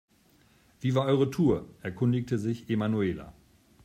Wie war eure Tour?, erkundigte sich Emanuela.